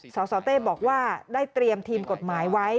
สสเต้บอกว่าได้เตรียมทีมกฎหมายไว้